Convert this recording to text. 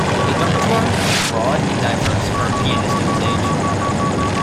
His repertoire was broad and diverse for a pianist of his age.